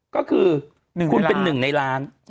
ก็คือคุณเป็น๑ในล้าน